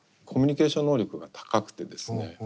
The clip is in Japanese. コミュニケーション能力が高くてですね